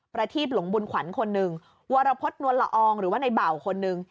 ประทีบหลงบุญขวัญคนหนึ่งวรพฤษนวลละอองหรือว่าในเบาคนหนึ่ง